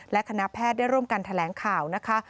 และคณะแพทย์ได้ร่วมกันแถลงข่าวนะคะ